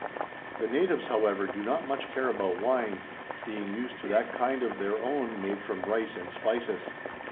The natives, however, do not much care about wine, being used to that kind of their own made from rice and spices.